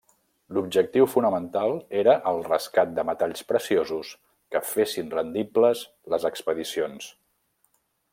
L'objectiu fonamental era el rescat de metalls preciosos que fessin rendibles les expedicions.